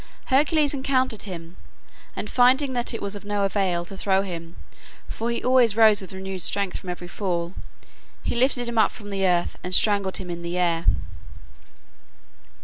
Hercules encountered him, and finding that it was of no avail to throw him, for he always rose with renewed strength from every fall, he lifted him up from the earth and strangled him in the air.